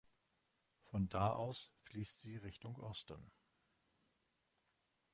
Von da aus fließt sie Richtung Osten.